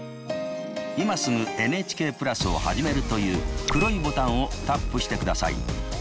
「今すぐＮＨＫプラスをはじめる」という黒いボタンをタップしてください。